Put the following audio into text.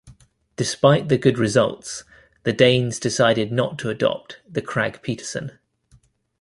Despite the good results, the Danes decided not to adopt the Krag-Petersson.